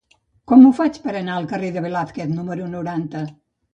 Com ho faig per anar al carrer de Velázquez número noranta?